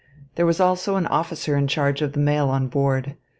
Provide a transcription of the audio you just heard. There was also an officer in charge of the mail on board.